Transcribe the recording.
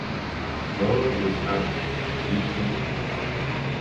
Moro was Admiral of the Venetian fleet.